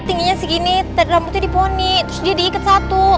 tingginya segini rambutnya diponi terus dia diikat satu